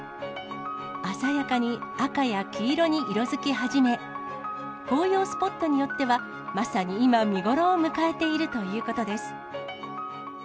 鮮やかに赤や黄色に色づき始め、紅葉スポットによっては、まさに今、見頃を迎えているということです。